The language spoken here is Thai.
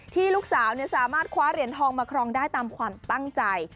ลูกสาวสามารถคว้าเหรียญทองมาครองได้ตามความตั้งใจ